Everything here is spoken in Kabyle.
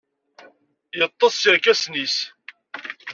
Yeṭṭes s yirkasen-is.